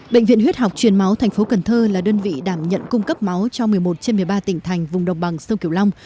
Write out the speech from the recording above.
bệnh viện huyết học truyền máu tp cn là đơn vị đảm nhận cung cấp máu cho một mươi một trên một mươi ba tỉnh thành vùng đồng bằng sông kiểu long